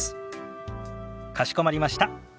かしこまりました。